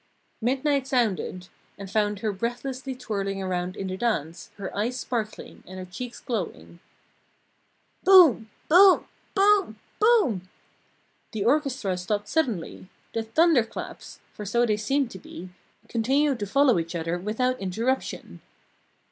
Midnight sounded, and found her breathlessly twirling around in the dance, her eyes sparkling and her cheeks glowing. "Boom! Boom! Boom! Boom!" The orchestra stopped suddenly. The thunderclaps for so they seemed to be continued to follow each other without interruption.